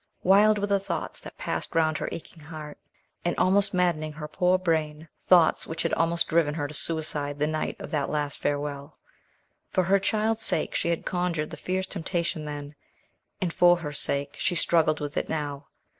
Wild were the thoughts that passed round her aching heart, and almost maddened her poor brain; thoughts which had almost driven her to suicide the night of that last farewell. For her child's sake she had conquered the fierce temptation then; and for her sake, she struggled with it now.